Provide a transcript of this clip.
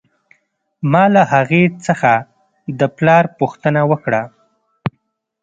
ما له هغې څخه د پلار پوښتنه وکړه